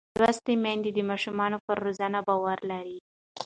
لوستې میندې د ماشوم پر روزنه باور لري.